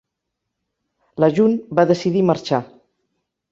La June va decidir marxar.